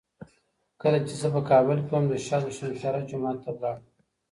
کله چي زه په کابل کي وم، د شاه دو شمشېره جومات ته لاړم.